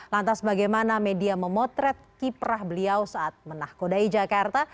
lantas bagaimana media memotret kiprah beliau saat menahkodai jakarta